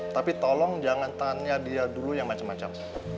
tapi tolong jangan tanya dia dulu yang macam macam